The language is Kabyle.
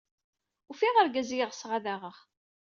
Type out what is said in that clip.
Ufiɣ-d argaz ay ɣseɣ ad aɣeɣ.